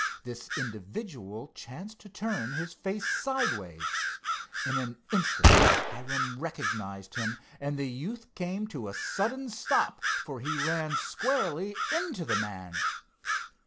This individual chanced to turn his face sideways. In an instant Hiram recognized him, and the youth came to a sudden stop for he ran squarely into the man.